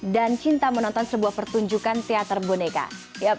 dan cinta menonton sebuah pertunjukan teater boneka